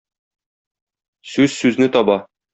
Сүз сүзне таба.